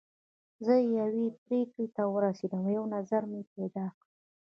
زه يوې پرېکړې ته ورسېدم او يوه نظريه مې پيدا کړه.